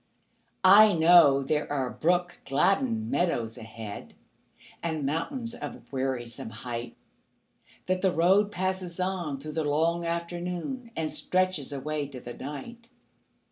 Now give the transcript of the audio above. I know there are brook gladdened meadows ahead, And mountains of wearisome height; That the road passes on through the long afternoon And stretches away to the night.